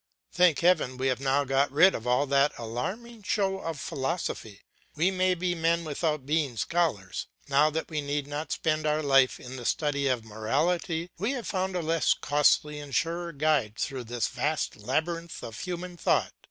Thank heaven we have now got rid of all that alarming show of philosophy; we may be men without being scholars; now that we need not spend our life in the study of morality, we have found a less costly and surer guide through this vast labyrinth of human thought.